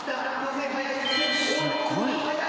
すっごい。